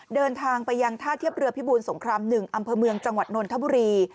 เดินทางไปยังท่าเทียบเรือพิบูรสงคราม๑อำเภอเมืองจังหวัดนนทบุรี